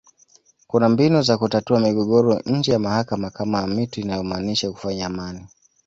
Kuna mbinu za kutatua migogoro nje ya mahakama kama amitu inayomaanisha kufanya amani